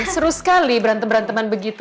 seru sekali berantem berantem begitu